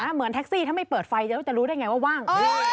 เหมือนแท็กซี่ถ้าไม่เปิดไฟจะรู้ได้ไงว่าว่าง